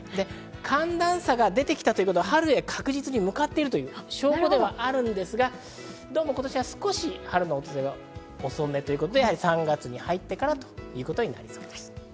寒暖差が出てきたということは、春へ確実に向かっている証拠ではあるんですが、どうも今年は春の訪れは少し遅めということで、３月に入ってからということになりそうです。